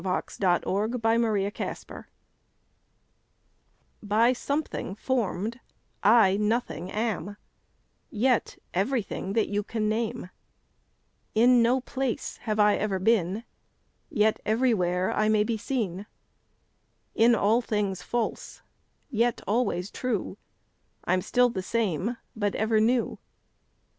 ON A SHADOW IN A GLASS; By something form'd, I nothing am, Yet everything that you can name; In no place have I ever been, Yet everywhere I may be seen; In all things false, yet always true, I'm still the same but ever new.